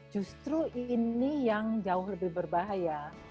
justru ini yang jauh lebih berbahaya